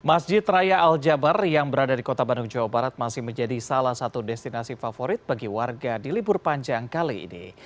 masjid raya al jabar yang berada di kota bandung jawa barat masih menjadi salah satu destinasi favorit bagi warga di libur panjang kali ini